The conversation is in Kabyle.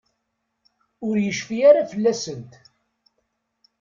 Ur yecfi ara fell-asent.